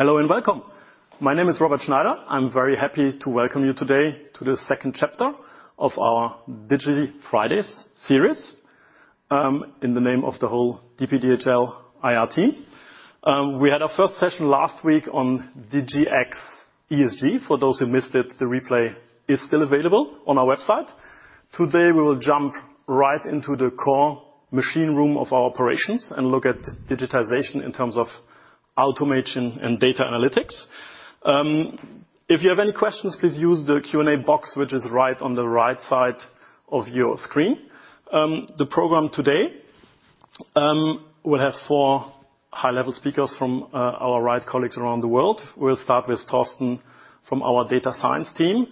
Hello, and welcome! My name is Robert Schneider. I'm very happy to welcome you today to the second chapter of our DigiFridays series, in the name of the whole DPDHL IR team. We had our first session last week on DigiX ESG. For those who missed it, the replay is still available on our website. Today, we will jump right into the core machine room of our operations and look at digitization in terms of automation and data analytics. If you have any questions, please use the Q&A box, which is right on the right side of your screen. The program today, we'll have four high-level speakers from our right colleagues around the world. We'll start with Thorsten from our data science team,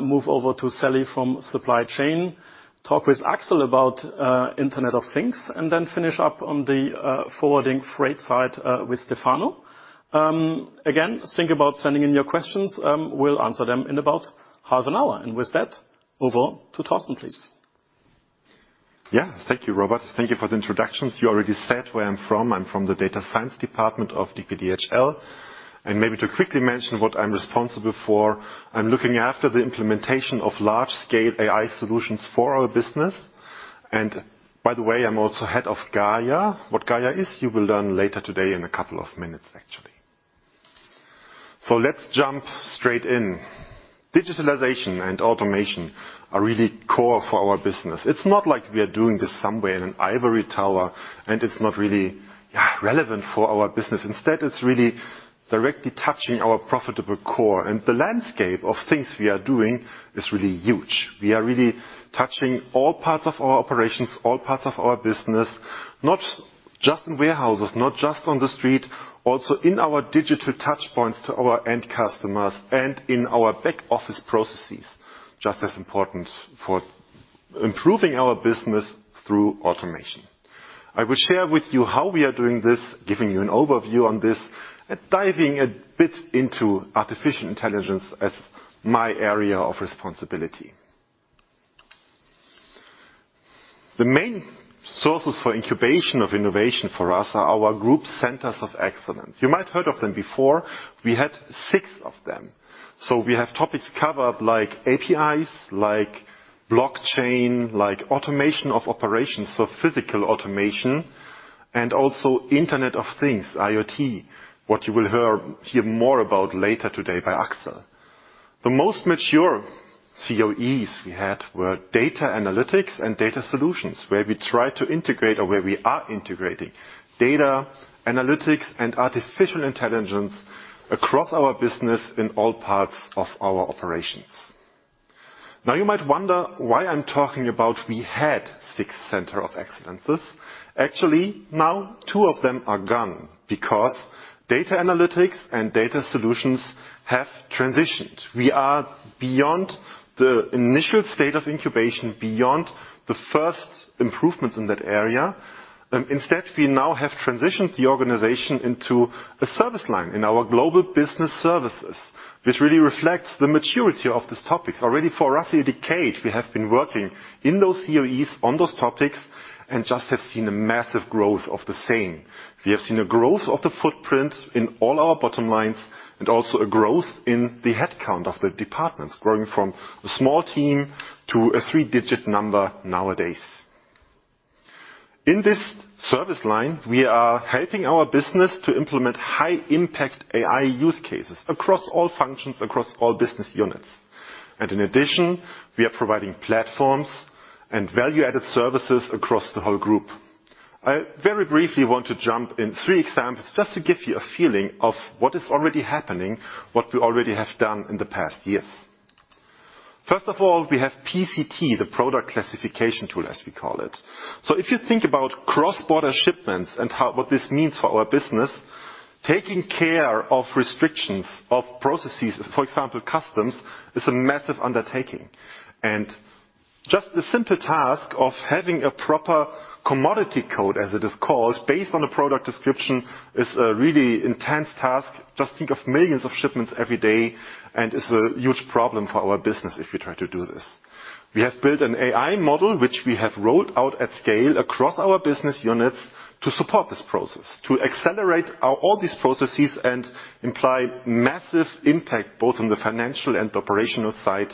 move over to Sally from supply chain, talk with Axel about Internet of Things, and then finish up on the forwarding freight side with Stefano. Again, think about sending in your questions. We'll answer them in about half an hour, and with that, over to Thorsten, please. Yeah. Thank you, Robert. Thank you for the introductions. You already said where I'm from. I'm from the data science department of DPDHL, and maybe to quickly mention what I'm responsible for, I'm looking after the implementation of large-scale AI solutions for our business. By the way, I'm also head of GAIA. What GAIA is, you will learn later today in a couple of minutes, actually. Let's jump straight in. Digitalization and automation are really core for our business. It's not like we are doing this somewhere in an ivory tower, and it's not really, yeah, relevant for our business. Instead, it's really directly touching our profitable core, and the landscape of things we are doing is really huge. We are really touching all parts of our operations, all parts of our business, not just in warehouses, not just on the street, also in our digital touchpoints to our end customers and in our back-office processes, just as important for improving our business through automation. I will share with you how we are doing this, giving you an overview on this, and diving a bit into artificial intelligence as my area of responsibility. The main sources for incubation of innovation for us are our group centers of excellence. You might heard of them before. We had six of them, so we have topics covered like APIs, like blockchain, like automation of operations, so physical automation, and also Internet of Things, IoT, what you will hear more about later today by Axel. The most mature COEs we had were data analytics and data solutions, where we try to integrate or where we are integrating data analytics and artificial intelligence across our business in all parts of our operations. You might wonder why I'm talking about we had six center of excellences. Actually, now two of them are gone because data analytics and data solutions have transitioned. We are beyond the initial state of incubation, beyond the first improvements in that area. We now have transitioned the organization into a service line in our Global Business Services. This really reflects the maturity of these topics. Already for roughly 10 years, we have been working in those COEs on those topics and just have seen a massive growth of the same. We have seen a growth of the footprint in all our bottom lines and also a growth in the headcount of the departments, growing from a small team to a three-digit number nowadays. In this service line, we are helping our business to implement high-impact AI use cases across all functions, across all business units. In addition, we are providing platforms and value-added services across the whole group. I very briefly want to jump in three examples, just to give you a feeling of what is already happening, what we already have done in the past years. First of all, we have PCT, the Product Classification Tool, as we call it. If you think about cross-border shipments and how, what this means for our business, taking care of restrictions of processes, for example, customs, is a massive undertaking. Just the simple task of having a proper commodity code, as it is called, based on a product description, is a really intense task. Just think of millions of shipments every day, and it's a huge problem for our business if we try to do this. We have built an AI model, which we have rolled out at scale across our business units to support this process, to accelerate all these processes and imply massive impact, both on the financial and operational side.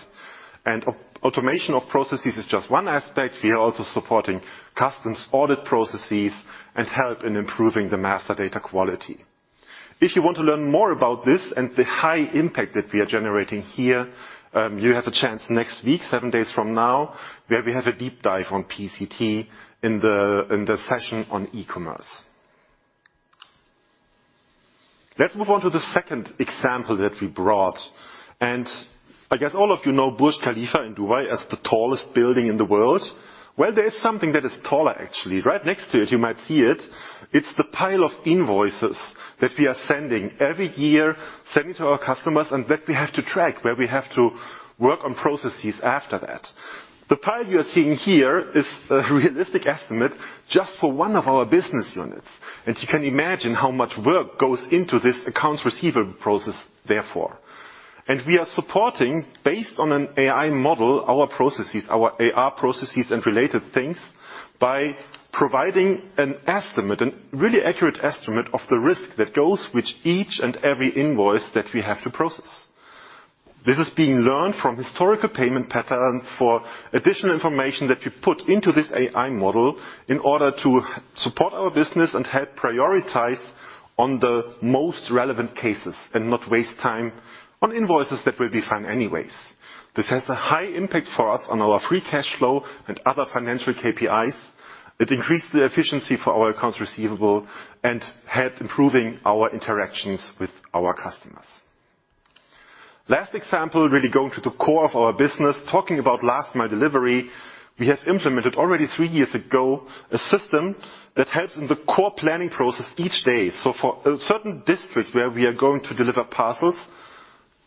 Automation of processes is just one aspect. We are also supporting customs audit processes and help in improving the master data quality. If you want to learn more about this and the high impact that we are generating here, you have a chance next week, seven days from now, where we have a deep dive on PCT in the session on e-commerce. Let's move on to the second example that we brought. I guess all of you know Burj Khalifa in Dubai as the tallest building in the world. Well, there is something that is taller, actually. Right next to it, you might see it. It's the pile of invoices that we are sending every year, sending to our customers, and that we have to track, where we have to work on processes after that. The pile you are seeing here is a realistic estimate just for one of our business units, and you can imagine how much work goes into this accounts receivable process, therefore. We are supporting, based on an AI model, our processes, our AR processes, and related things, by providing an estimate, an really accurate estimate of the risk that goes with each and every invoice that we have to process. This is being learned from historical payment patterns for additional information that you put into this AI model in order to support our business and help prioritize on the most relevant cases, and not waste time on invoices that will be fine anyways. This has a high impact for us on our free cash flow and other financial KPIs. It increased the efficiency for our accounts receivable and helped improving our interactions with our customers. Last example, really going to the core of our business. Talking about last mile delivery, we have implemented already three years ago, a system that helps in the core planning process each day. For a certain district where we are going to deliver parcels,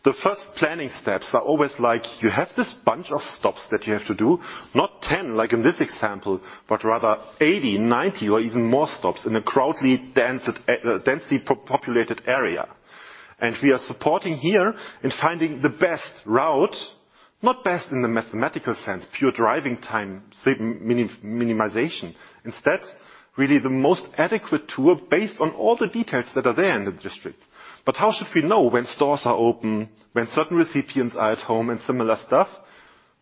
the first planning steps are always like, you have this bunch of stops that you have to do, not 10, like in this example, but rather 80, 90, or even more stops in a densely populated area. We are supporting here in finding the best route, not best in the mathematical sense, pure driving time, say, minimization. Instead, really the most adequate tour based on all the details that are there in the district. How should we know when stores are open, when certain recipients are at home, and similar stuff?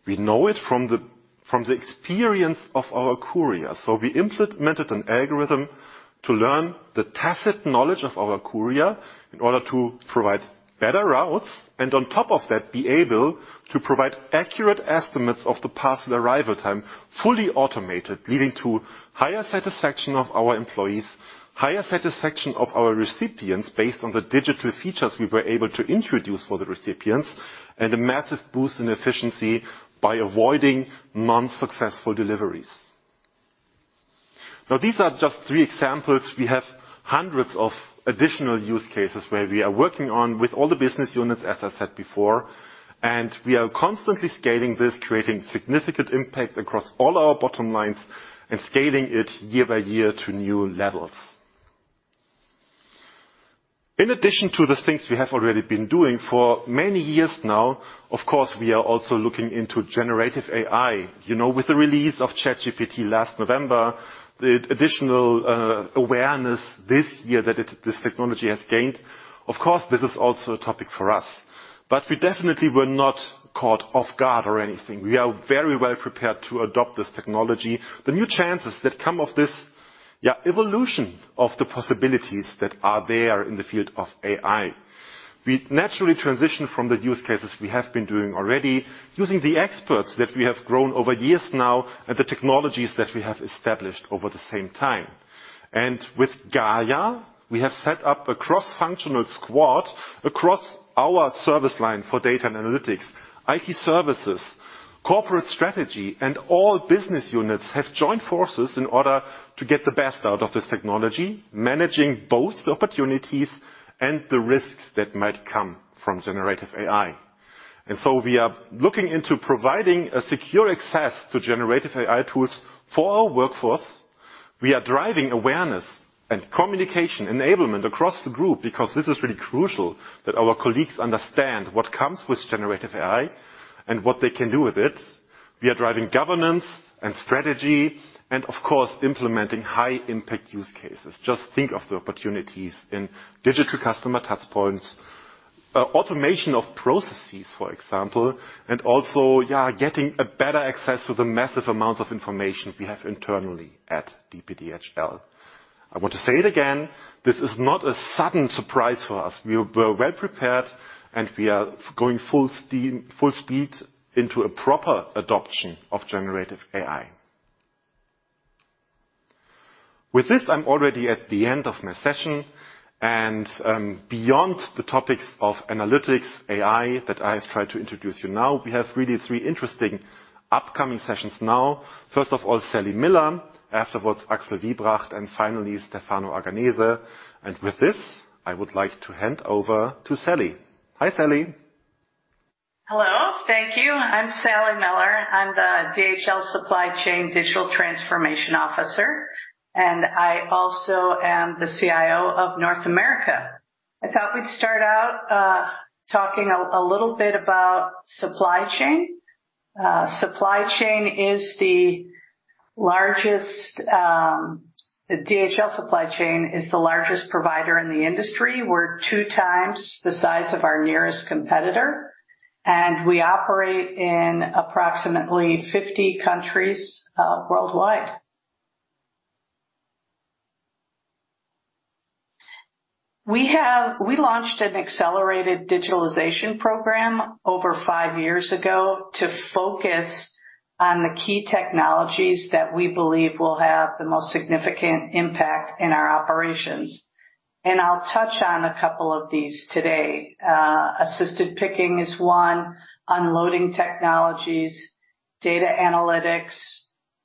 We know it from the experience of our courier. We implemented an algorithm to learn the tacit knowledge of our courier in order to provide better routes, and on top of that, be able to provide accurate estimates of the parcel arrival time, fully automated, leading to higher satisfaction of our employees, higher satisfaction of our recipients based on the digital features we were able to introduce for the recipients, and a massive boost in efficiency by avoiding non-successful deliveries. These are just three examples. We have hundreds of additional use cases where we are working on with all the business units, as I said before, and we are constantly scaling this, creating significant impact across all our bottom lines and scaling it year by year to new levels. In addition to the things we have already been doing for many years now, of course, we are also looking into generative AI. You know, with the release of ChatGPT last November, the additional awareness this year that this technology has gained, of course, this is also a topic for us. We definitely were not caught off guard or anything. We are very well prepared to adopt this technology. The new chances that come of this, yeah, evolution of the possibilities that are there in the field of AI. We naturally transition from the use cases we have been doing already, using the experts that we have grown over years now, and the technologies that we have established over the same time. With GAIA, we have set up a cross-functional squad across our service line for data and analytics, IT services, corporate strategy, and all business units have joined forces in order to get the best out of this technology, managing both the opportunities and the risks that might come from generative AI. We are looking into providing a secure access to generative AI tools for our workforce. We are driving awareness and communication enablement across the group because this is really crucial that our colleagues understand what comes with generative AI and what they can do with it. We are driving governance and strategy and of course, implementing high impact use cases. Just think of the opportunities in digital customer touchpoints, automation of processes, for example, and also getting a better access to the massive amounts of information we have internally at DPDHL. I want to say it again, this is not a sudden surprise for us. We are well prepared, and we are going full speed into a proper adoption of generative AI. With this, I'm already at the end of my session, and beyond the topics of analytics, AI, that I have tried to introduce you now, we have really three interesting upcoming sessions now. First of all, Sally Miller, afterwards, Axel Wiebracht, and finally, Stefano Arganese. With this, I would like to hand over to Sally. Hi, Sally. Hello. Thank you. I'm Sally Miller. I'm the DHL Supply Chain Digital Transformation Officer, and I also am the CIO of North America. I thought we'd start out talking a little bit about supply chain. DHL Supply Chain is the largest provider in the industry. We're two times the size of our nearest competitor, and we operate in approximately 50 countries worldwide. We launched an accelerated digitalization program over five years ago to focus on the key technologies that we believe will have the most significant impact in our operations. I'll touch on a couple of these today. Assisted picking is one, unloading technologies, data analytics,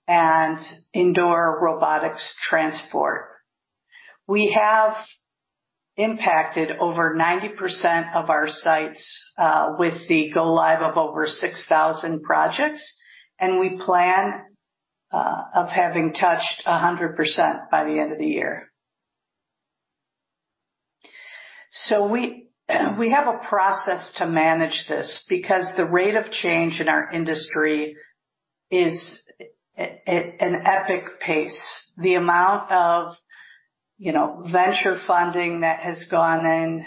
and indoor robotics transport. We have impacted over 90% of our sites with the go-live of over 6,000 projects. We plan of having touched 100% by the end of the year. We have a process to manage this because the rate of change in our industry is at an epic pace. The amount of, you know, venture funding that has gone in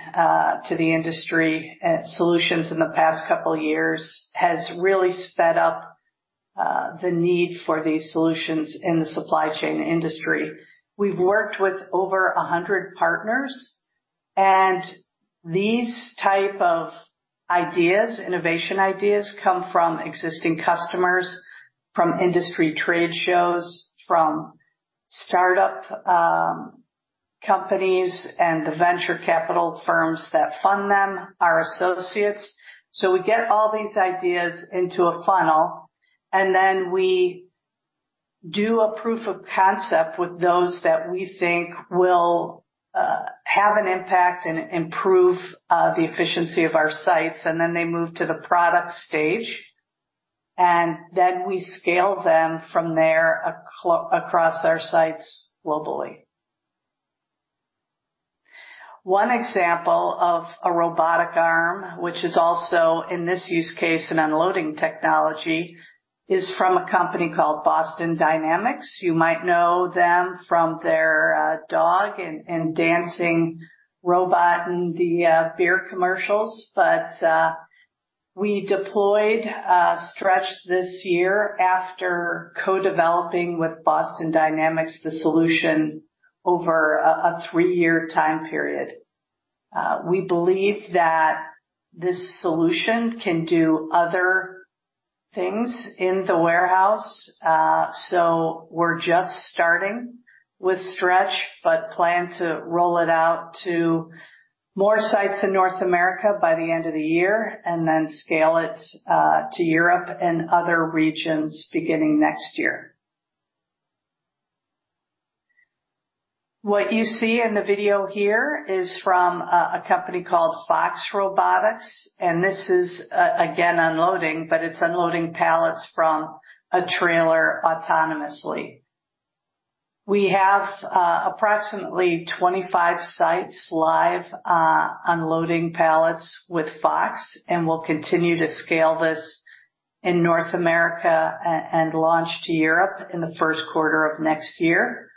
to the industry at solutions in the past couple of years has really sped up the need for these solutions in the supply chain industry. We've worked with over 100 partners. These type of ideas, innovation ideas, come from existing customers, from industry trade shows, from startup companies and the venture capital firms that fund them, our associates. We get all these ideas into a funnel, and then we do a proof of concept with those that we think will have an impact and improve the efficiency of our sites, and then they move to the product stage, and then we scale them from there across our sites globally. One example of a robotic arm, which is also, in this use case, an unloading technology, is from a company called Boston Dynamics. You might know them from their dog and dancing robot in the beer commercials. We deployed Stretch this year after co-developing with Boston Dynamics the solution over a three-year time period. We believe that this solution can do other things in the warehouse. We're just starting with Stretch, but plan to roll it out to more sites in North America by the end of the year and then scale it to Europe and other regions beginning next year. What you see in the video here is from a company called Fox Robotics, this is again, unloading, but it's unloading pallets from a trailer autonomously. We have approximately 25 sites live unloading pallets with Fox, we'll continue to scale this in North America and launch to Europe in the first quarter of next year.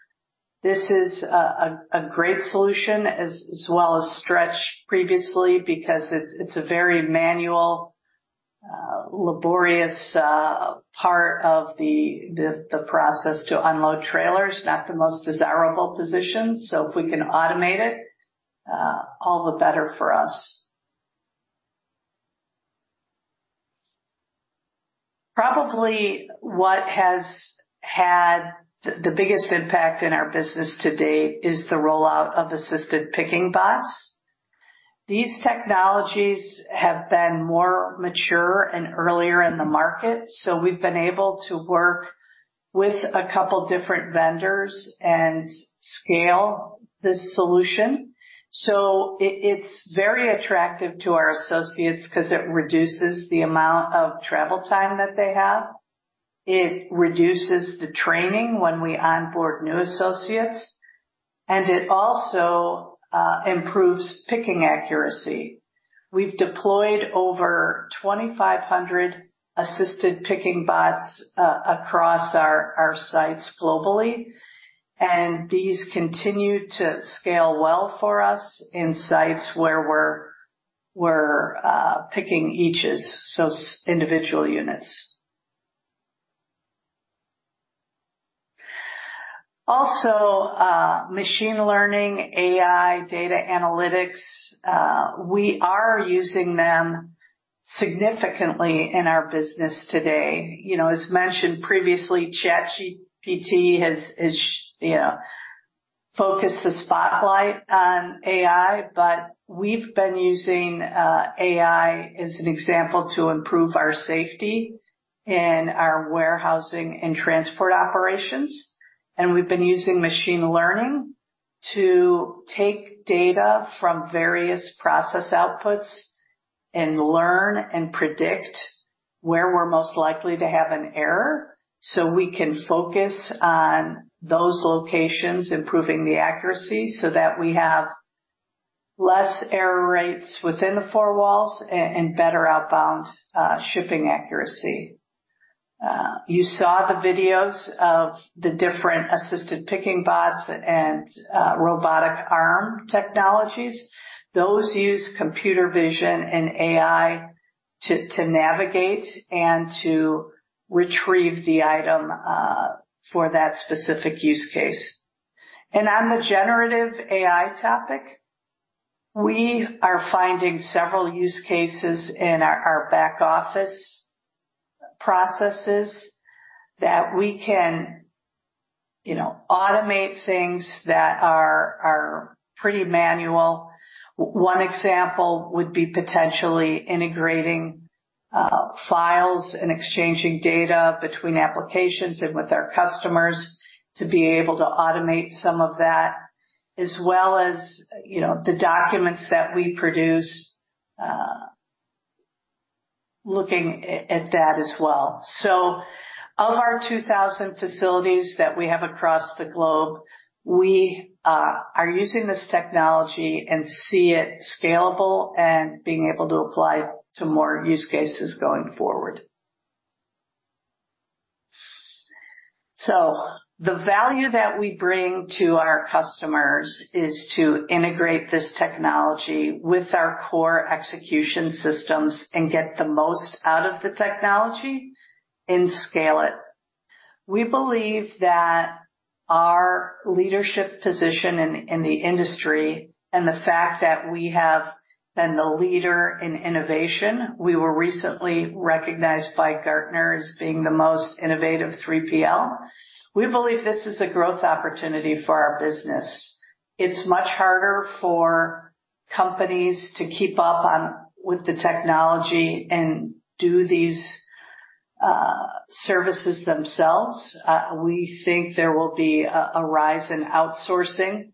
This is a great solution as well as Stretch previously, because it's a very manual, laborious part of the process to unload trailers. Not the most desirable position, if we can automate it, all the better for us. Probably what has had the biggest impact in our business to date is the rollout of assisted picking bots. These technologies have been more mature and earlier in the market, we've been able to work with a couple different vendors and scale this solution. It's very attractive to our associates 'cause it reduces the amount of travel time that they have. It reduces the training when we onboard new associates, and it also improves picking accuracy. We've deployed over 2,500 assisted picking bots across our sites globally, and these continue to scale well for us in sites where we're picking eaches, so individual units. Machine learning, AI, data analytics, we are using them significantly in our business today. You know, as mentioned previously, ChatGPT has, you know, focused the spotlight on AI, but we've been using AI as an example to improve our safety in our warehousing and transport operations. We've been using machine learning to take data from various process outputs and learn and predict where we're most likely to have an error, so we can focus on those locations, improving the accuracy, so that we have less error rates within the four walls and better outbound shipping accuracy. You saw the videos of the different assisted picking bots and robotic arm technologies. Those use computer vision and AI to navigate and to retrieve the item for that specific use case. On the generative AI topic, we are finding several use cases in our back office processes that we can, you know, automate things that are pretty manual. One example would be potentially integrating files and exchanging data between applications and with our customers to be able to automate some of that, as well as, you know, the documents that we produce, looking at that as well. Out of our 2,000 facilities that we have across the globe, we are using this technology and see it scalable and being able to apply to more use cases going forward. The value that we bring to our customers is to integrate this technology with our core execution systems and get the most out of the technology and scale it. We believe that our leadership position in the industry and the fact that we have been the leader in innovation, we were recently recognized by Gartner as being the most innovative 3PL. We believe this is a growth opportunity for our business. It's much harder for companies to keep up with the technology and do these services themselves. We think there will be a rise in outsourcing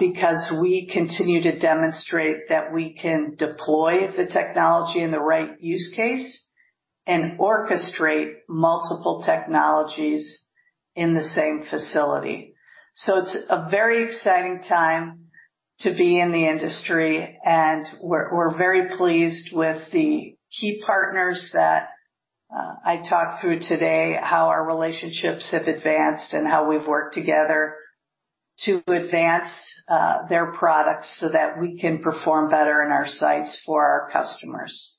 because we continue to demonstrate that we can deploy the technology in the right use case and orchestrate multiple technologies in the same facility. It's a very exciting time to be in the industry, and we're very pleased with the key partners that I talked through today, how our relationships have advanced and how we've worked together to advance their products so that we can perform better in our sites for our customers.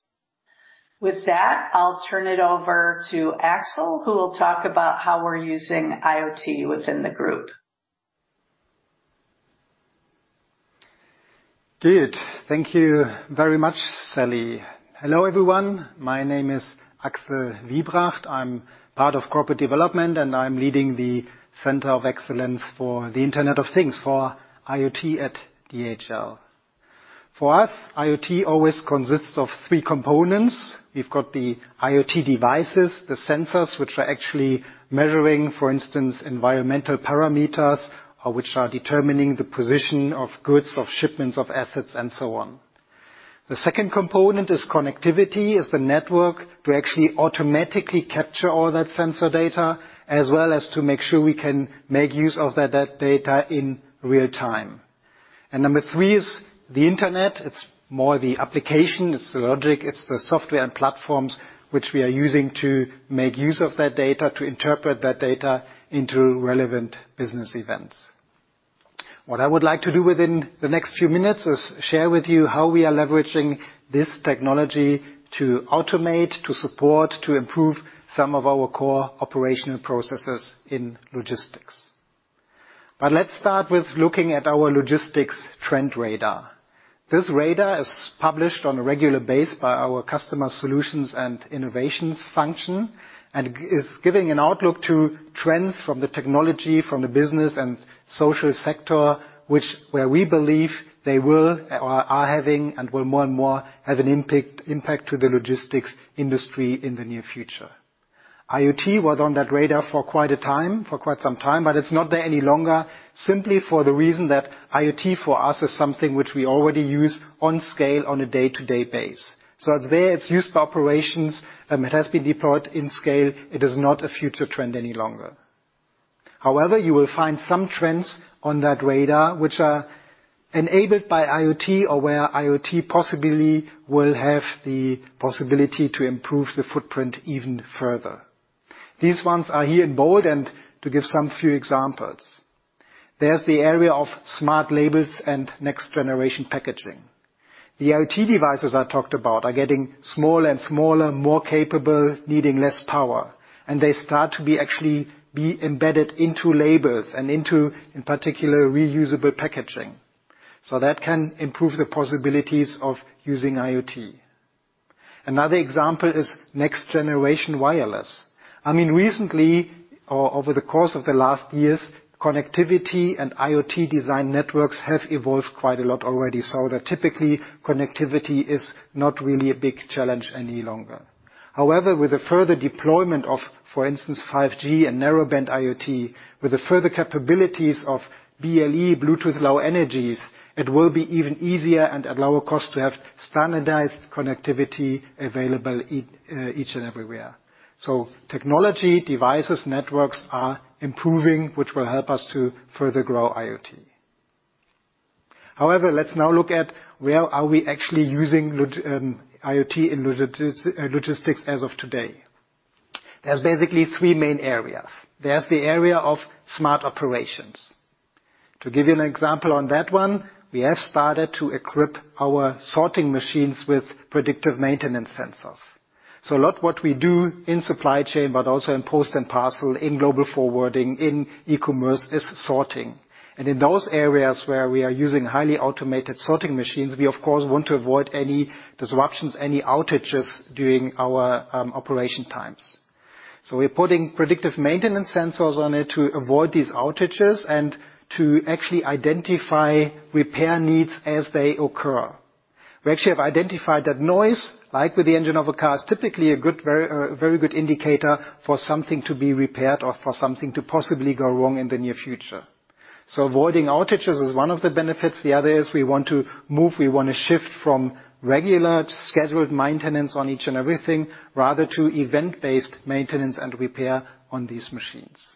With that, I'll turn it over to Axel, who will talk about how we're using IoT within the group. Good. Thank you very much, Sally. Hello, everyone. My name is Axel Wiebracht. I'm part of corporate development, and I'm leading the Center of Excellence for the Internet of Things for IoT at DHL. For us, IoT always consists of three components. We've got the IoT devices, the sensors, which are actually measuring, for instance, environmental parameters, or which are determining the position of goods, of shipments, of assets, and so on. The second component is connectivity, is the network to actually automatically capture all that sensor data, as well as to make sure we can make use of that data in real time. Number three is the internet. It's more the application, it's the logic, it's the software and platforms which we are using to make use of that data, to interpret that data into relevant business events. What I would like to do within the next few minutes is share with you how we are leveraging this technology to automate, to support, to improve some of our core operational processes in logistics. Let's start with looking at our Logistics Trend Radar. This radar is published on a regular base by our Customer Solutions and Innovations function, is giving an outlook to trends from the technology, from the business and social sector, where we believe they will or are having, and will more and more have an impact to the logistics industry in the near future. IoT was on that radar for quite some time, but it's not there any longer, simply for the reason that IoT, for us, is something which we already use on scale on a day-to-day base. It's there, it's used for operations, it has been deployed in scale. It is not a future trend any longer. However, you will find some trends on that radar which are enabled by IoT or where IoT possibly will have the possibility to improve the footprint even further. These ones are here in bold, and to give some few examples: There's the area of smart labels and next-generation packaging. The IoT devices I talked about are getting smaller and smaller, more capable, needing less power, and they start to actually be embedded into labels and into, in particular, reusable packaging. That can improve the possibilities of using IoT. Another example is next-generation wireless. I mean, recently, or over the course of the last years, connectivity and IoT design networks have evolved quite a lot already, so that typically, connectivity is not really a big challenge any longer. With the further deployment of, for instance, 5G and Narrowband IoT, with the further capabilities of BLE, Bluetooth Low Energy, it will be even easier and at lower cost to have standardized connectivity available each and everywhere. Technology, devices, networks are improving, which will help us to further grow IoT. Let's now look at where are we actually using IoT in logistics as of today? There's basically three main areas. There's the area of smart operations. To give you an example on that one, we have started to equip our sorting machines with predictive maintenance sensors. A lot what we do in Supply Chain, but also in Post and Parcel, in Global Forwarding, in e-commerce, is sorting. In those areas where we are using highly automated sorting machines, we, of course, want to avoid any disruptions, any outages during our operation times. We're putting predictive maintenance sensors on it to avoid these outages and to actually identify repair needs as they occur. We actually have identified that noise, like with the engine of a car, is typically a good, very good indicator for something to be repaired or for something to possibly go wrong in the near future. Avoiding outages is one of the benefits. The other is we want to shift from regular scheduled maintenance on each and everything, rather to event-based maintenance and repair on these machines.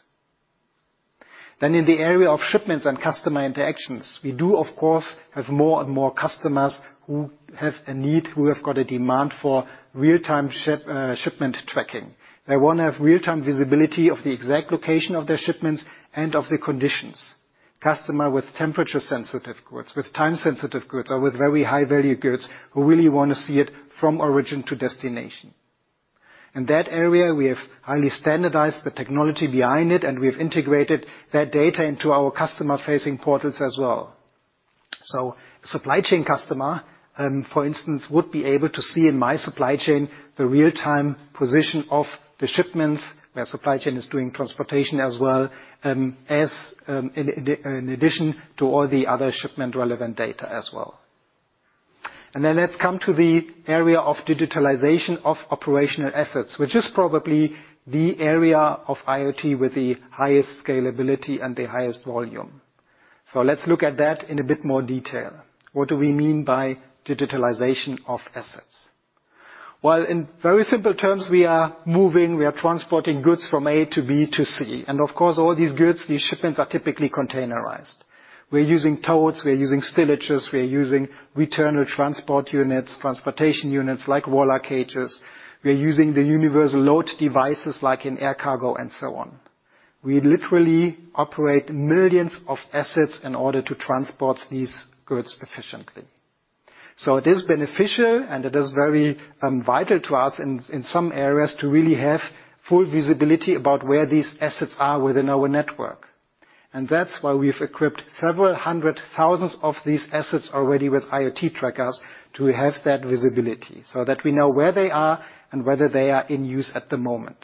In the area of shipments and customer interactions, we do, of course, have more and more customers who have a need, who have got a demand for real-time shipment tracking. They want to have real-time visibility of the exact location of their shipments and of the conditions. Customer with temperature-sensitive goods, with time-sensitive goods, or with very high-value goods, who really want to see it from origin to destination. In that area, we have highly standardized the technology behind it, and we've integrated that data into our customer-facing portals as well. DHL Supply Chain customer, for instance, would be able to see in MySupplyChain the real-time position of the shipments, where DHL Supply Chain is doing transportation as well, as in addition to all the other shipment-relevant data as well. Let's come to the area of digitalization of operational assets, which is probably the area of IoT with the highest scalability and the highest volume. Let's look at that in a bit more detail. What do we mean by digitalization of assets? Well, in very simple terms, we are moving, we are transporting goods from A to B to C, and of course, all these goods, these shipments, are typically containerized. We're using totes, we're using stillages, we're using returnable transport units, transportation units, like roller cages. We're using the universal load devices, like in air cargo, and so on. We literally operate millions of assets in order to transport these goods efficiently. It is beneficial, and it is very vital to us in some areas, to really have full visibility about where these assets are within our network That's why we've equipped several hundred thousands of these assets already with IoT trackers to have that visibility, so that we know where they are and whether they are in use at the moment.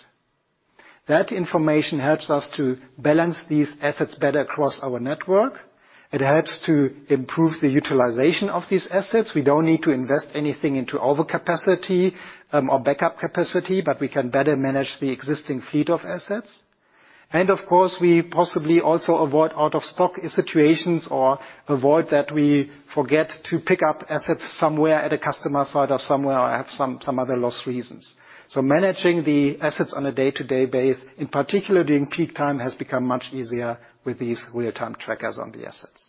That information helps us to balance these assets better across our network. It helps to improve the utilization of these assets. We don't need to invest anything into overcapacity or backup capacity, but we can better manage the existing fleet of assets. Of course, we possibly also avoid out-of-stock situations or avoid that we forget to pick up assets somewhere at a customer site or somewhere or have some other loss reasons. Managing the assets on a day-to-day base, in particular, during peak time, has become much easier with these real-time trackers on the assets.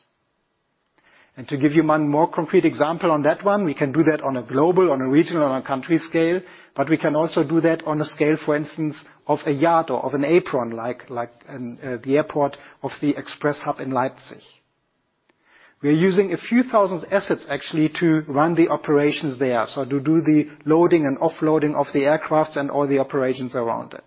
To give you one more concrete example on that one, we can do that on a global, on a regional, on a country scale, but we can also do that on a scale, for instance, of a yard or of an apron, like, the airport of the express hub in Leipzig. We're using a few thousand assets, actually, to run the operations there, so to do the loading and offloading of the aircraft and all the operations around it.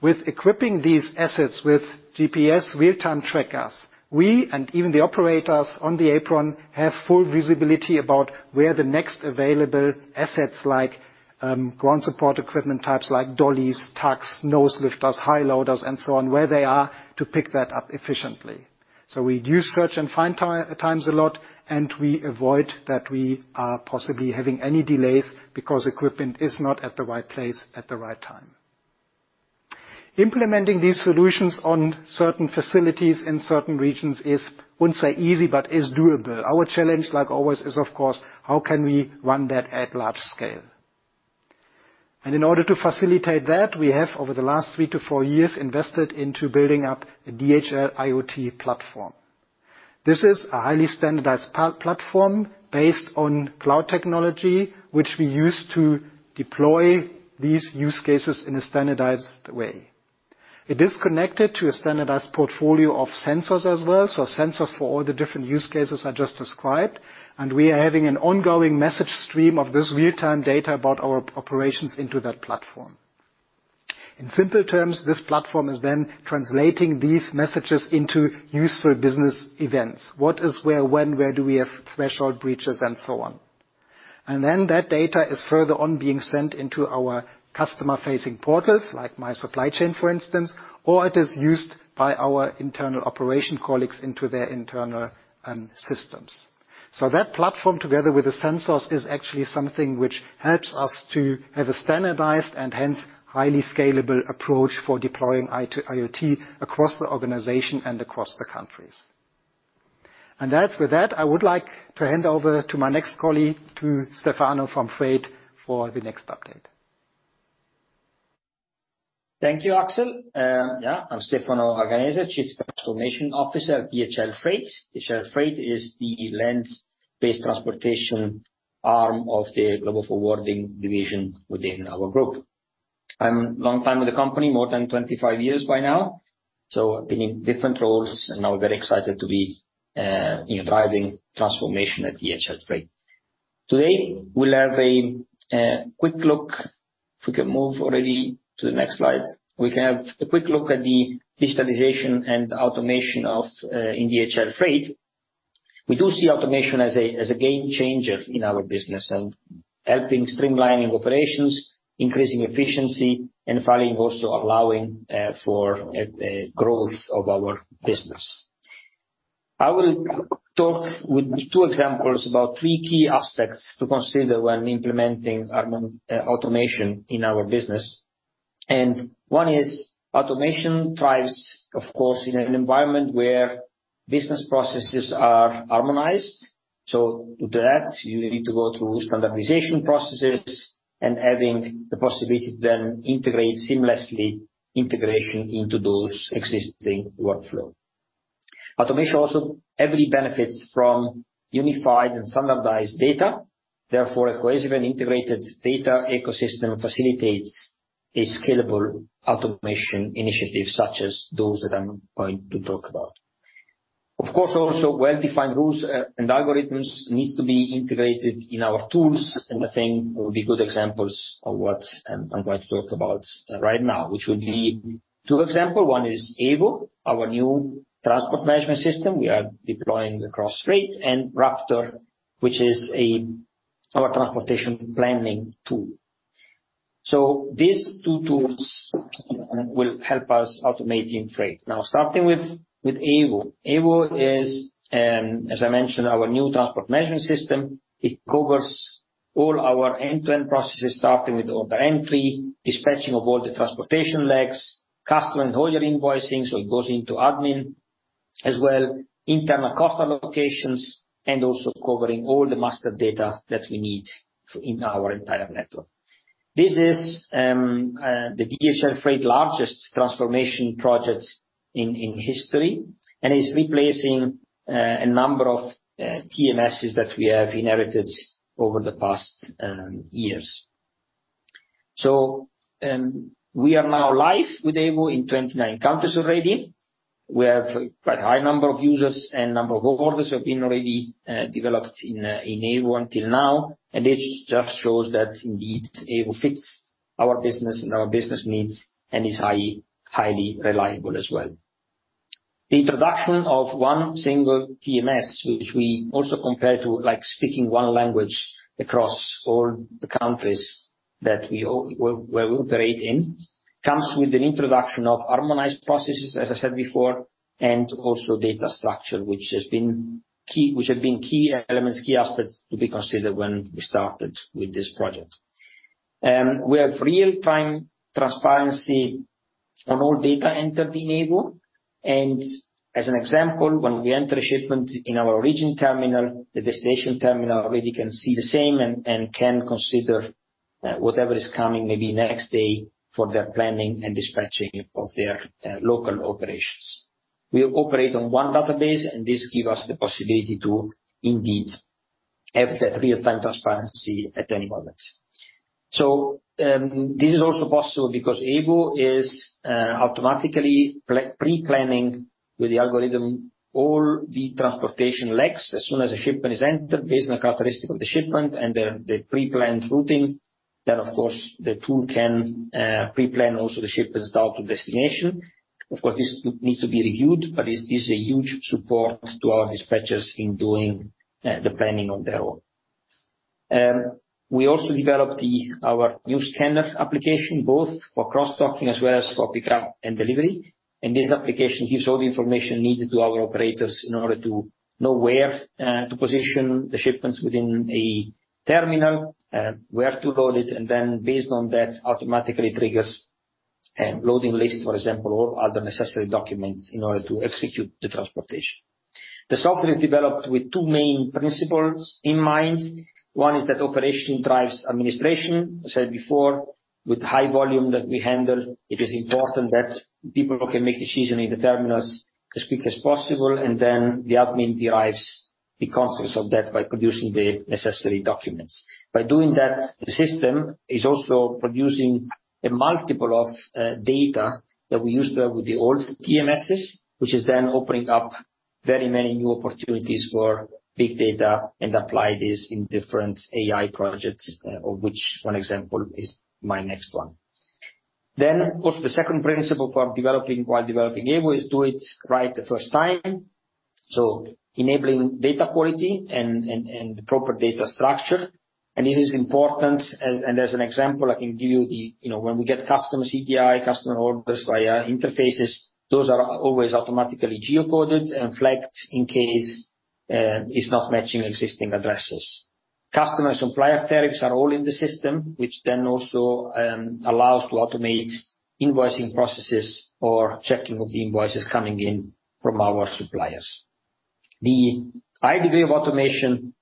With equipping these assets with GPS real-time trackers, we and even the operators on the apron have full visibility about where the next available assets, like, ground support equipment types, like dollies, tugs, nose lifters, high loaders, and so on, where they are to pick that up efficiently. We reduce search and find time, times a lot, and we avoid that we are possibly having any delays because equipment is not at the right place at the right time. Implementing these solutions on certain facilities in certain regions is, I wouldn't say easy, but is doable. Our challenge, like always, is, of course, how can we run that at large scale? In order to facilitate that, we have, over the last three to four years, invested into building up a DHL IoT platform. This is a highly standardized platform based on cloud technology, which we use to deploy these use cases in a standardized way. It is connected to a standardized portfolio of sensors as well, so sensors for all the different use cases I just described. We are having an ongoing message stream of this real-time data about our operations into that platform. In simple terms, this platform is then translating these messages into useful business events. What is where, when, where do we have threshold breaches, and so on. That data is further on being sent into our customer-facing portals, like MySupplyChain, for instance, or it is used by our internal operation colleagues into their internal systems. That platform, together with the sensors, is actually something which helps us to have a standardized and hence, highly scalable approach for deploying IoT across the organization and across the countries. That, with that, I would like to hand over to my next colleague, to Stefano from DHL Freight, for the next update. Thank you, Axel. Yeah, I'm Stefano Arganese, Chief Transformation Officer at DHL Freight. DHL Freight is the land-based transportation arm of the Global Forwarding, Freight within our group. I'm longtime with the company, more than 25 years by now, so I've been in different roles, and now I'm very excited to be driving transformation at DHL Freight. Today, we'll have a quick look. If we can move already to the next slide. We can have a quick look at the digitalization and automation in DHL Freight. We do see automation as a game changer in our business and helping streamlining operations, increasing efficiency, and finally, also allowing for a growth of our business. I will talk with two examples about three key aspects to consider when implementing automation in our business. One is, automation thrives, of course, in an environment where business processes are harmonized. To that, you need to go through standardization processes, and having the possibility to then integrate seamlessly integration into those existing workflow. Automation also heavily benefits from unified and standardized data. Therefore, a cohesive and integrated data ecosystem facilitates a scalable automation initiative, such as those that I'm going to talk about. Of course, also, well-defined rules and algorithms needs to be integrated in our tools, and I think will be good examples of what I'm going to talk about right now, which would be two example: one is EVO, our new transport management system we are deploying across freight, and RAPTOR, which is our transportation planning tool. These two tools will help us automating freight. Starting with EVO. EVO is, as I mentioned, our new transport management system. It covers all our end-to-end processes, starting with order entry, dispatching of all the transportation legs, customer and haulier invoicing, so it goes into admin as well, internal cost allocations, and also covering all the master data that we need in our entire network. This is the DHL Freight largest transformation project in history, and is replacing a number of TMSs that we have inherited over the past years. We are now live with EVO in 29 countries already. We have quite high number of users and number of orders have been already developed in EVO until now, and this just shows that indeed, EVO fits our business and our business needs, and is highly reliable as well. The introduction of one single TMS, which we also compare to like speaking one language across all the countries that we where we operate in, comes with an introduction of harmonized processes, as I said before, and also data structure, which has been key elements, key aspects, to be considered when we started with this project. We have real-time transparency on all data entered in EVO, and as an example, when we enter a shipment in our origin terminal, the destination terminal already can see the same and can consider whatever is coming maybe next day for their planning and dispatching of their local operations. We operate on one database, and this give us the possibility to indeed have that real-time transparency at any moment. This is also possible because EVO is automatically pre-planning, with the algorithm, all the transportation legs. As soon as a shipment is entered, based on the characteristic of the shipment and the pre-planned routing, then of course, the tool can pre-plan also the shipment out to destination. Of course, this needs to be reviewed, but this is a huge support to our dispatchers in doing the planning on their own. We also developed our new scanner application, both for cross-docking as well as for pickup and delivery. This application gives all the information needed to our operators in order to know where to position the shipments within a terminal, where to load it, and then based on that, automatically triggers loading lists, for example, or other necessary documents in order to execute the transportation. The software is developed with two main principles in mind. One is that operation drives administration. I said before, with the high volume that we handle, it is important that people can make decisions in the terminals as quick as possible, and then the admin derives the consequence of that by producing the necessary documents. By doing that, the system is also producing a multiple of data that we used to have with the old TMSs, which is then opening up very many new opportunities for big data, and apply this in different AI projects, of which one example is my next one. Of course, the second principle while developing EVO, is do it right the first time. Enabling data quality and proper data structure, and it is important. As an example, I can give you the, you know, when we get customer CPI, customer orders via interfaces, those are always automatically geocoded and flagged in case it's not matching existing addresses. Customer-supplier tariffs are all in the system, which then also allows to automate invoicing processes or checking of the invoices coming in from our suppliers. The high degree of automation is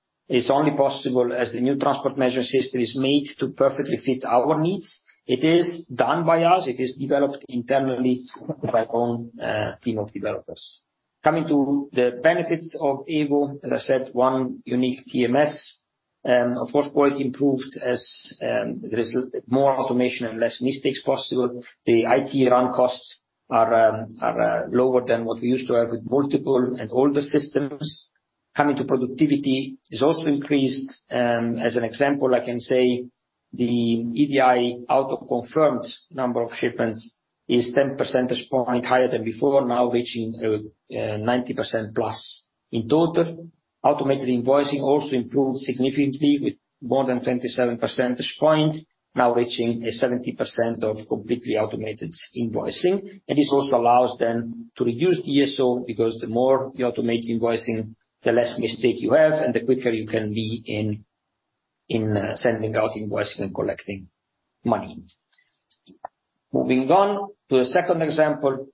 only possible as the new transport management system is made to perfectly fit our needs. It is done by us, it is developed internally by our own team of developers. Coming to the benefits of EVO, as I said, one unique TMS. Of course, quality improved as there is more automation and less mistakes possible. The IT run costs are lower than what we used to have with multiple and older systems. Coming to productivity, it's also increased. As an example, I can say the EDI auto-confirmed number of shipments is 10 percentage point higher than before, now reaching 90% plus in total. automated invoicing also improved significantly with more than 27 percentage point, now reaching a 70% of completely automated invoicing. This also allows them to reduce the DSO, because the more you automate invoicing, the less mistake you have, and the quicker you can be in sending out invoicing and collecting money. Moving on to the second example,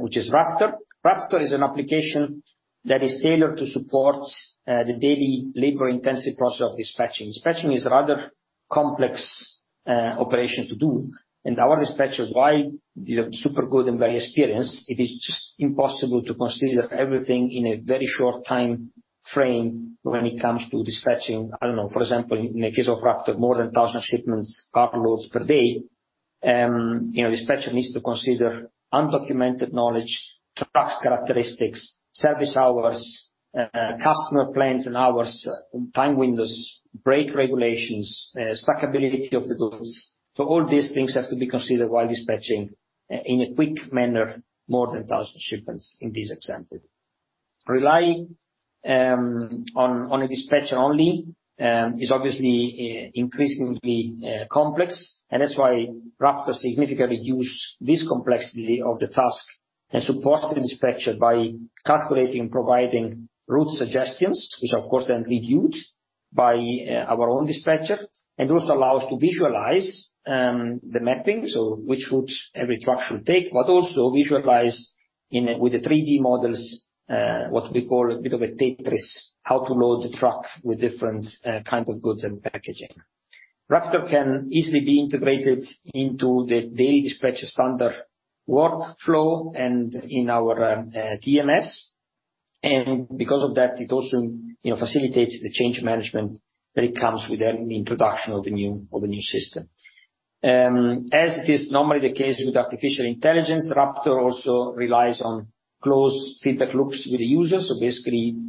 which is RAPTOR. RAPTOR is an application that is tailored to support the daily labor-intensive process of dispatching. Dispatching is a rather complex operation to do, and our dispatchers, while they are super good and very experienced, it is just impossible to consider everything in a very short time frame when it comes to dispatching. I don't know, for example, in the case of RAPTOR, more than 1,000 shipments, car loads per day, you know, dispatcher needs to consider undocumented knowledge, trucks' characteristics, service hours, customer plans and hours, time windows, break regulations, stackability of the goods. All these things have to be considered while dispatching in a quick manner, more than 1,000 shipments in this example. Relying on a dispatcher only, is obviously increasingly complex. That's why RAPTOR significantly reduce this complexity of the task and supports the dispatcher by calculating, providing route suggestions, which of course, then be used by our own dispatcher. Also allow us to visualize the mapping, so which routes every truck should take, but also visualize with the 3D models, what we call a bit of a Tetris, how to load the truck with different kind of goods and packaging. RAPTOR can easily be integrated into the daily dispatcher standard workflow and in our DMS. Because of that, it also, you know, facilitates the change management that it comes with an introduction of the new system. As it is normally the case with artificial intelligence, RAPTOR also relies on close feedback loops with the user.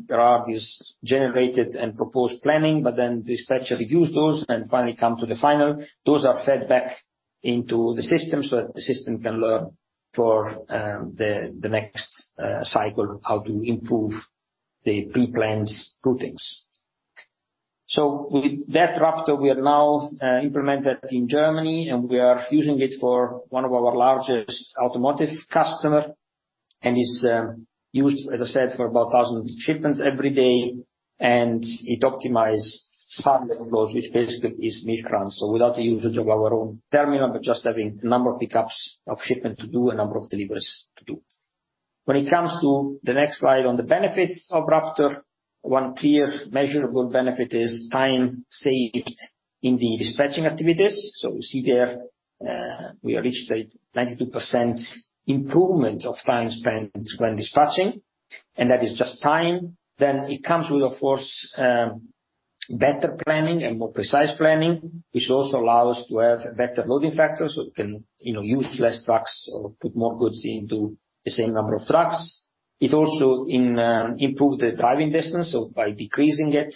There are this generated and proposed planning, but then dispatcher reviews those and finally come to the final. Those are fed back into the system, so that the system can learn for the next cycle, how to improve the pre-planned routings. With that RAPTOR, we are now implemented in Germany, and we are using it for one of our largest automotive customer, and is used, as I said, for about 1,000 shipments every day. It optimize 100 loads, which basically is mix run. Without the usage of our own terminal, but just having the number of pickups of shipment to do and number of deliveries to do. When it comes to the next slide on the benefits of RAPTOR, one clear measurable benefit is time saved in the dispatching activities. We see there, we reached a 92% improvement of time spent when dispatching, and that is just time. It comes with, of course, better planning and more precise planning, which also allow us to have better loading factors, so we can, you know, use less trucks or put more goods into the same number of trucks. It also improve the driving distance, by decreasing it,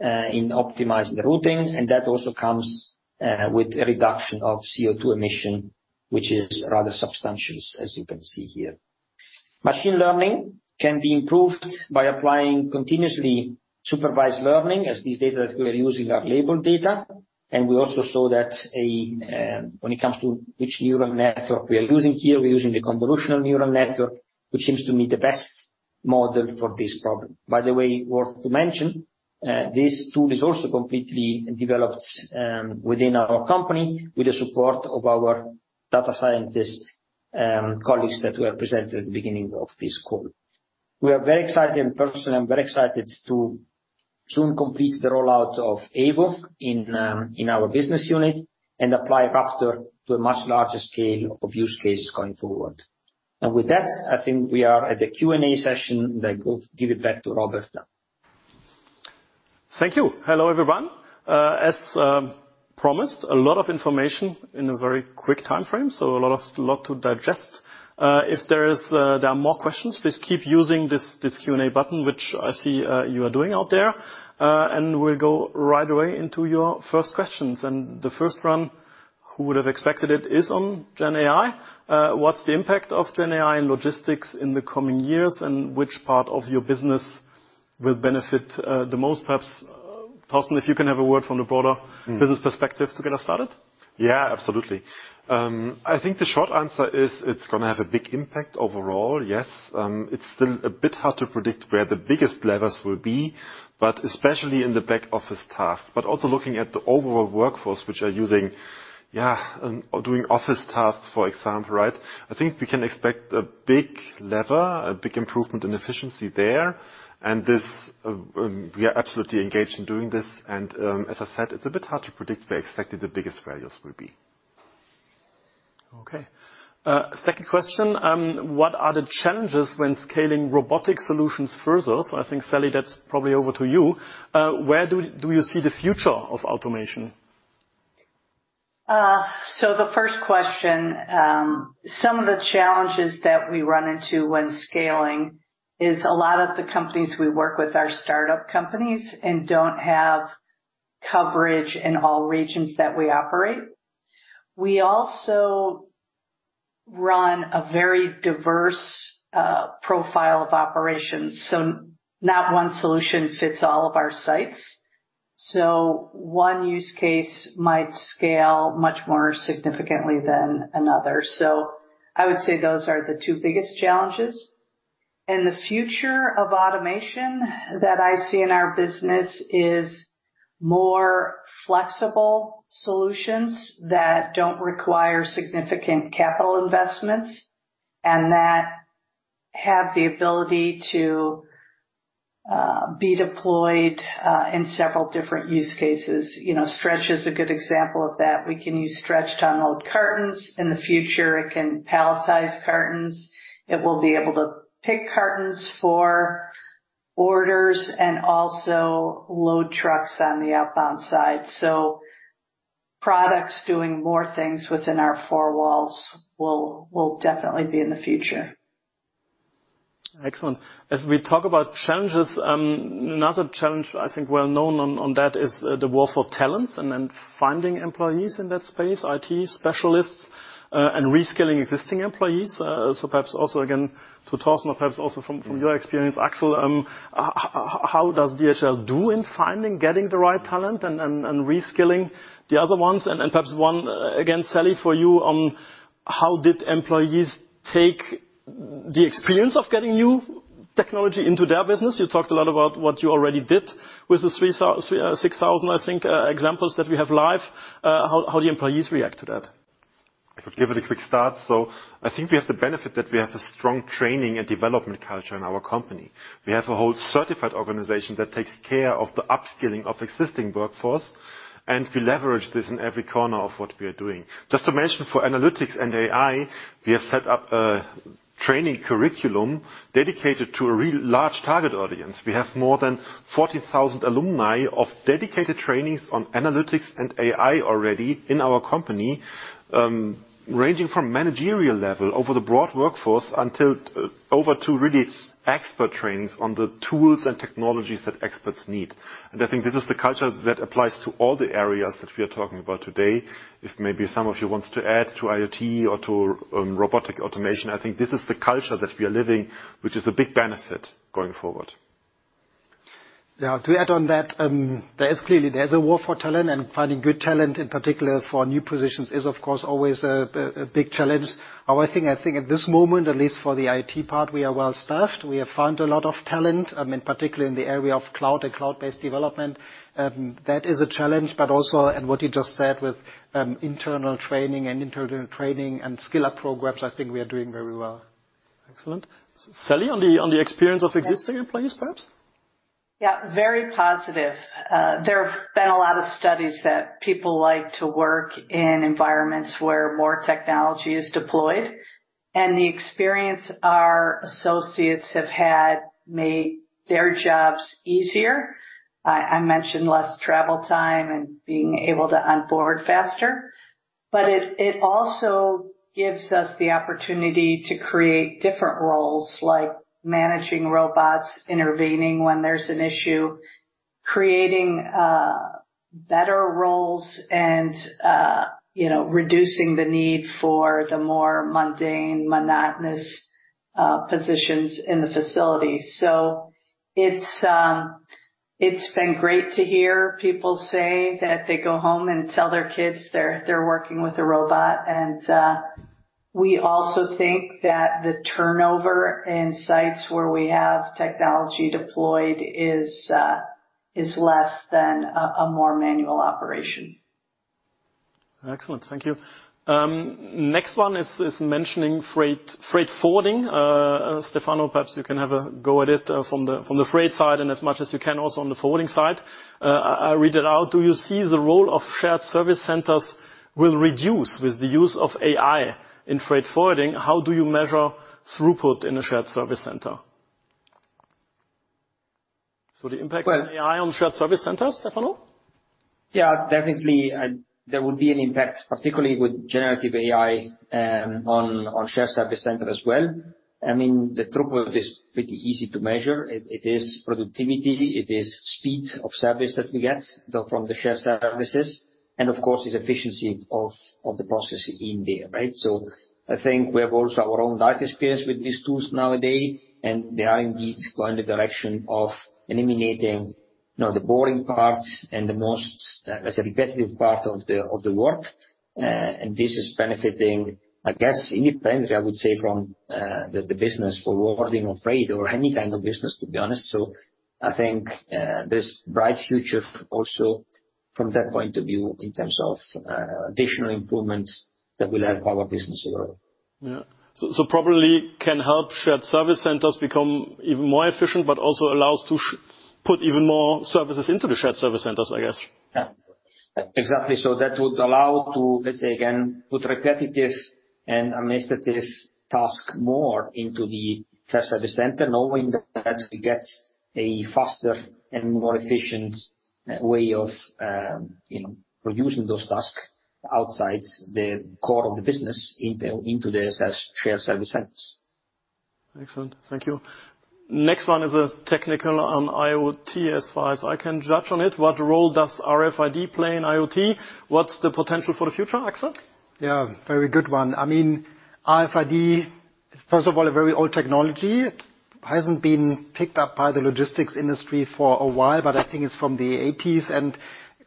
in optimizing the routing, and that also comes with a reduction of CO2 emission, which is rather substantial, as you can see here. Machine learning can be improved by applying continuously supervised learning, as these data that we are using are labeled data. We also saw that when it comes to which neural network we are using here, we're using the Convolutional Neural Network, which seems to be the best model for this problem. By the way, worth to mention, this tool is also completely developed within our company, with the support of our data scientist colleagues that were presented at the beginning of this call. We are very excited, and personally, I'm very excited to soon complete the rollout of EVO in our business unit and apply RAPTOR to a much larger scale of use cases going forward. With that, I think we are at the Q&A session. Give it back to Robert now. Thank you. Hello, everyone. As promised, a lot of information in a very quick timeframe, so a lot to digest. If there are more questions, please keep using this Q&A button, which I see you are doing out there. We'll go right away into your first questions. The first one, who would have expected it, is on GenAI. What's the impact of GenAI in logistics in the coming years, and which part of your business will benefit the most? Perhaps, Thorsten, if you can have a word. Mm. -business perspective to get us started. Absolutely. I think the short answer is, it's gonna have a big impact overall, yes. It's still a bit hard to predict where the biggest levers will be, especially in the back office tasks. Also looking at the overall workforce, which are using, or doing office tasks, for example, right? I think we can expect a big lever, a big improvement in efficiency there, and this, we are absolutely engaged in doing this, and, as I said, it's a bit hard to predict where exactly the biggest values will be. Okay. Second question: What are the challenges when scaling robotic solutions further? I think, Sally, that's probably over to you. Where do you see the future of automation? The first question, some of the challenges that we run into when scaling is a lot of the companies we work with are startup companies and don't have coverage in all regions that we operate. We also run a very diverse profile of operations, so not one solution fits all of our sites. One use case might scale much more significantly than another. I would say those are the two biggest challenges. The future of automation that I see in our business is more flexible solutions that don't require significant capital investments, and that have the ability to be deployed in several different use cases. You know, Stretch is a good example of that. We can use Stretch to unload cartons. In the future, it can palletize cartons. It will be able to pick cartons for orders and also load trucks on the outbound side. Products doing more things within our four walls will definitely be in the future. Excellent. As we talk about challenges, another challenge, I think well-known on that is the war for talent and then finding employees in that space, IT specialists, and reskilling existing employees. Perhaps also, again, to Thorsten, or perhaps also from your experience, Axel, how does DHL do in finding, getting the right talent and reskilling the other ones? Perhaps one, again, Sally, for you, how did employees take the experience of getting new technology into their business? You talked a lot about what you already did with the 6,000, I think, examples that we have live. How do employees react to that? I could give it a quick start. I think we have the benefit that we have a strong training and development culture in our company. We have a whole certified organization that takes care of the upskilling of existing workforce, and we leverage this in every corner of what we are doing. Just to mention, for analytics and AI, we have set up a training curriculum dedicated to a real large target audience. We have more than 40,000 alumni of dedicated trainings on analytics and AI already in our company, ranging from managerial level over the broad workforce until over to really expert trainings on the tools and technologies that experts need. I think this is the culture that applies to all the areas that we are talking about today. If maybe some of you wants to add to IoT or to, robotic automation, I think this is the culture that we are living, which is a big benefit going forward. To add on that, there is clearly there's a war for talent, and finding good talent, in particular for new positions, is, of course, always a big challenge. However, I think at this moment, at least for the IT part, we are well staffed. We have found a lot of talent, in particular in the area of cloud and cloud-based development. That is a challenge, but also and what you just said with internal training and skill-up programs, I think we are doing very well. Excellent. Sally, on the experience of existing employees, perhaps? Yeah, very positive. There have been a lot of studies that people like to work in environments where more technology is deployed, and the experience our associates have had made their jobs easier. I mentioned less travel time and being able to unforward faster, but it also gives us the opportunity to create different roles, like managing robots, intervening when there's an issue, creating better roles and, you know, reducing the need for the more mundane, monotonous positions in the facility. It's been great to hear people say that they go home and tell their kids they're working with a robot. We also think that the turnover in sites where we have technology deployed is less than a more manual operation. Excellent. Thank you. Next one is mentioning freight forwarding. Stefano, perhaps you can have a go at it from the freight side, and as much as you can, also on the forwarding side. I read it out: Do you see the role of shared service centers will reduce with the use of AI in freight forwarding? How do you measure throughput in a shared service center? The impact of AI on shared service centers, Stefano? Definitely, there will be an impact, particularly with generative AI, on shared service center as well. I mean, the throughput is pretty easy to measure. It is productivity, it is speed of service that we get from the shared services, and of course, it's efficiency of the process in there, right. I think we have also our own data experience with these tools nowadays, and they are indeed going in the direction of eliminating, you know, the boring parts and the most, let's say, repetitive part of the work. This is benefiting, I guess, independently, I would say, from the business for forwarding or freight or any kind of business, to be honest. I think, there's bright future also from that point of view, in terms of, additional improvements that will help our business grow. Yeah. probably can help shared service centers become even more efficient, but also allows to put even more services into the shared service centers, I guess. Yeah. Exactly. That would allow to, let's say, again, put repetitive and administrative task more into the shared service center, knowing that we get a faster and more efficient way of, you know, producing those tasks outside the core of the business, into the SS, shared service centers. Excellent. Thank you. Next one is a technical on IoT, as far as I can judge on it. What role does RFID play in IoT? What's the potential for the future, Axel? Yeah, very good one. I mean, RFID, first of all, a very old technology. It hasn't been picked up by the logistics industry for a while, but I think it's from the 80s, and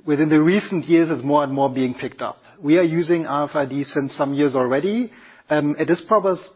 within the recent years, it's more and more being picked up. We are using RFID since some years already, it is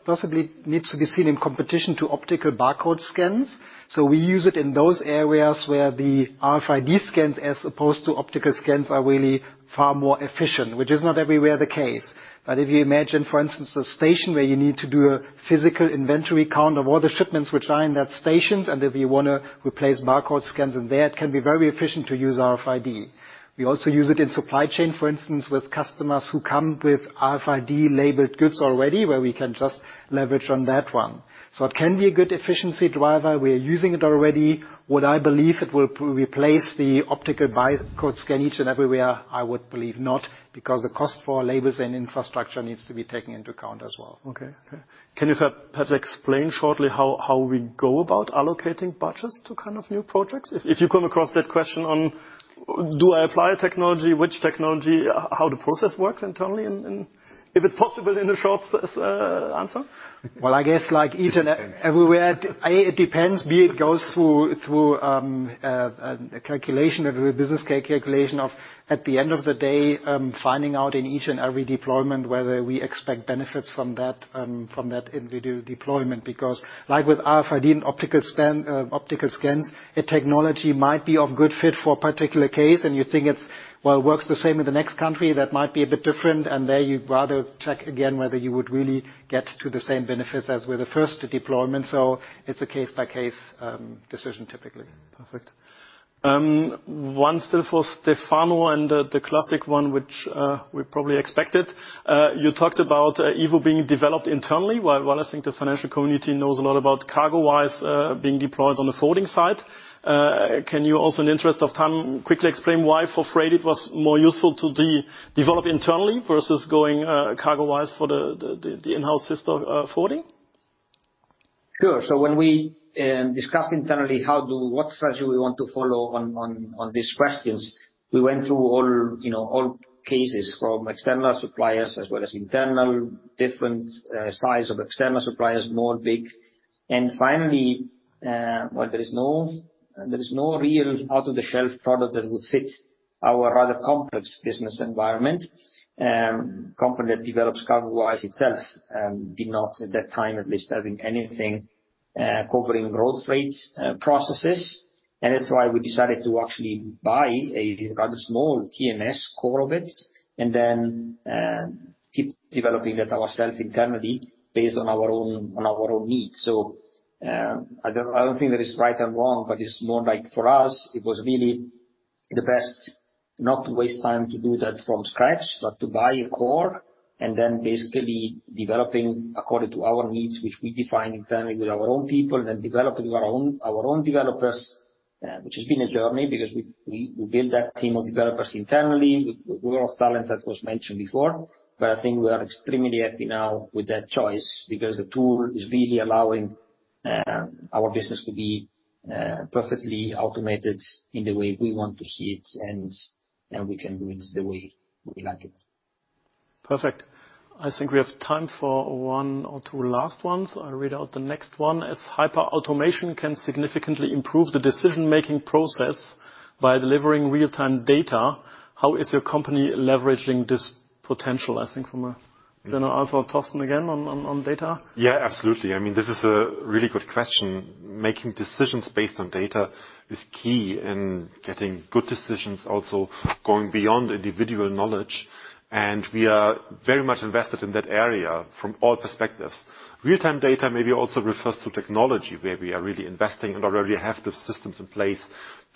possibly needs to be seen in competition to optical barcode scans. We use it in those areas where the RFID scans, as opposed to optical scans, are really far more efficient, which is not everywhere the case. If you imagine, for instance, a station where you need to do a physical inventory count of all the shipments which are in that stations, and if you wanna replace barcode scans in there, it can be very efficient to use RFID. We also use it in supply chain, for instance, with customers who come with RFID-labeled goods already, where we can just leverage on that one. It can be a good efficiency driver. We are using it already. Would I believe it will replace the optical barcode scan each and everywhere? I would believe not, because the cost for labor and infrastructure needs to be taken into account as well. Okay, okay. Can you perhaps explain shortly how we go about allocating budgets to kind of new projects? If you come across that question on, do I apply a technology? Which technology? How the process works internally, and if it's possible, in a short answer. Well, I guess like each and everywhere, A, it depends. B, it goes through a calculation, every business case calculation of, at the end of the day, finding out in each and every deployment whether we expect benefits from that, from that individual deployment. Because like with RFID and optical scans, a technology might be of good fit for a particular case, and you think it's, well, works the same in the next country, that might be a bit different. There, you'd rather check again whether you would really get to the same benefits as with the first deployment. It's a case-by-case decision, typically. Perfect. One still for Stefano and the classic one, which we probably expected. You talked about EVO being developed internally, while I think the financial community knows a lot about CargoWise being deployed on the forwarding side. Can you also, in the interest of time, quickly explain why, for Freight, it was more useful to develop internally versus going CargoWise for the in-house system, forwarding? Sure. So when we discussed internally, what strategy we want to follow on these questions, we went through all, you know, all cases, from external suppliers as well as internal, different size of external suppliers, small, big. Finally, well, there is no, there is no real off-the-shelf product that will fit our rather complex business environment. Company that develops CargoWise itself, did not at that time, at least, having anything covering road freight processes. That's why we decided to actually buy a rather small TMS, core of it, and then keep developing that ourself internally based on our own needs. I don't think there is right and wrong, but it's more like for us, it was really the best not to waste time to do that from scratch, but to buy a core and then basically developing according to our needs, which we define internally with our own people, and then developing our own developers. Which has been a journey, because we built that team of developers internally with pool of talent, that was mentioned before. I think we are extremely happy now with that choice, because the tool is really allowing our business to be perfectly automated in the way we want to see it, and we can do it the way we like it. Perfect. I think we have time for one or two last ones. I'll read out the next one: As hyperautomation can significantly improve the decision-making process by delivering real-time data, how is your company leveraging this potential? I think. I'll ask for Thorsten again, on data. Yeah, absolutely. I mean, this is a really good question. Making decisions based on data is key in getting good decisions, also going beyond individual knowledge, and we are very much invested in that area from all perspectives. Real-time data maybe also refers to technology, where we are really investing and already have the systems in place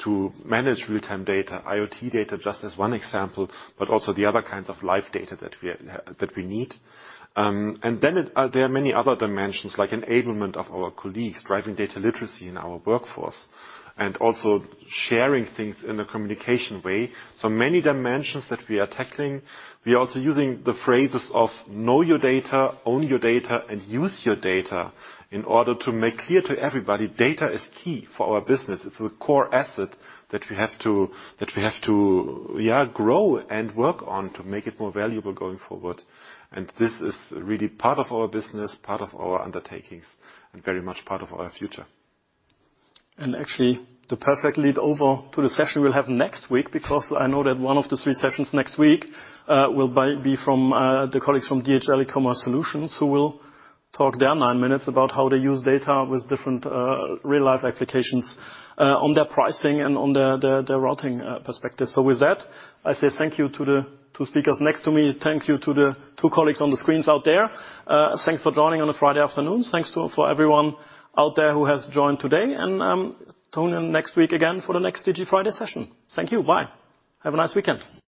to manage real-time data, IoT data, just as one example, but also the other kinds of live data that we need. There are many other dimensions, like enablement of our colleagues, driving data literacy in our workforce, and also sharing things in a communication way. Many dimensions that we are tackling. We are also using the phrases of: know your data, own your data, and use your data, in order to make clear to everybody, data is key for our business. It's a core asset that we have to, yeah, grow and work on to make it more valuable going forward. This is really part of our business, part of our undertakings, and very much part of our future. Actually, the perfect lead over to the session we'll have next week, because I know that one of the three sessions next week, will be from the colleagues from DHL eCommerce Solutions, who will talk their nine minutes about how they use data with different real-life applications on their pricing and on the routing perspective. With that, I say thank you to the two speakers next to me. Thank you to the two colleagues on the screens out there. Thanks for joining on a Friday afternoon. Thanks for everyone out there who has joined today, tune in next week again for the next Digi Friday session. Thank you. Bye. Have a nice weekend.